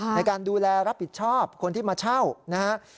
ในการดูแลรับผิดชอบคนที่มาเช่านะครับ